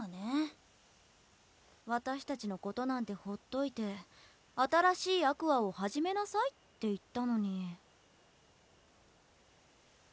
私たちのことなんてほっといて新しいＡｑｏｕｒｓを始めなさいって言ったのに。